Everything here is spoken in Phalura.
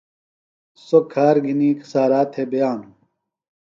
سوۡ کھار گِھنیۡ سارا تھےۡ بِیانوۡ۔